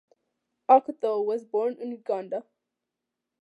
Okoth was born in Uganda.